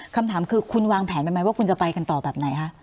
คำถามคือคุณวางแผนไปไหมว่าคุณจะไปกันต่อแบบไหนคะ